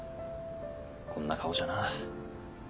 こんな顔じゃな。